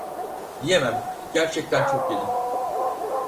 Yiyemem, gerçekten çok yedim